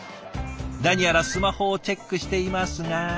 何やらスマホをチェックしていますが。